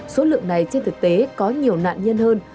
số lượng này trên thực tế có nhiều nạn nhân hơn